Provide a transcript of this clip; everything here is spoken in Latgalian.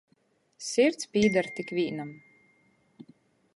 Sirds pīdar tik vīnam.